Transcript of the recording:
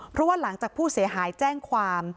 เพราะว่าหลังจากผู้เสียหายแจ้งความ